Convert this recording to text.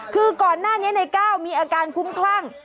คือก่อนหน้านี้ในก้าวมีอาการคุ้มคลั่ง